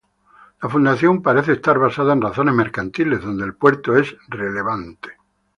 La fundación parece estar basada en razones mercantiles, donde el puerto es relevante.